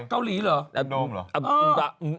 เกาหลีเหรอ